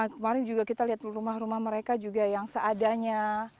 kemarin juga kita lihat rumah rumah mereka juga yang seadanya